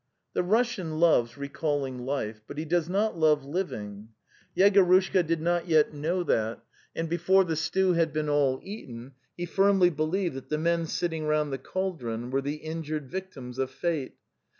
The Russian loves recalling life, but he does not love living. Yegorushka did not yet know that, and before the stew had been all eaten he firmly believed that the men sitting round the caul dron were the injured victims of fate.